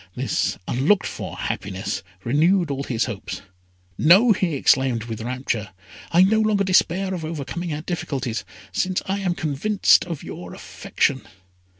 This unlooked for happiness renewed all his hopes. "No!" he exclaimed with rapture; "I no longer despair of overcoming our difficulties, since I am convinced of your affection.